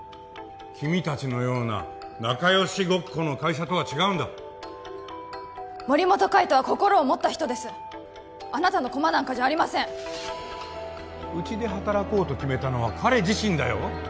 君達のような仲よしごっこの会社とは違うんだ森本海斗は心を持った人ですあなたの駒なんかじゃありませんうちで働こうと決めたのは彼自身だよ